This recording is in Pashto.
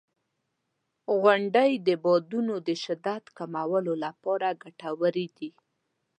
• غونډۍ د بادونو د شدت کمولو لپاره ګټورې دي.